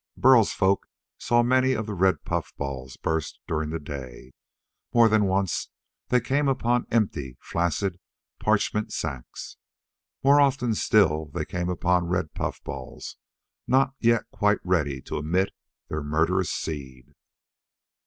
Burl's folk saw many of the red puffballs burst during the day. More than once they came upon empty, flaccid parchment sacs. More often still they came upon red puffballs not yet quite ready to emit their murderous seed.